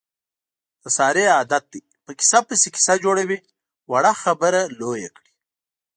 د سارې عادت دی، په قیصه پسې قیصه جوړوي. وړه خبره لویه کړي.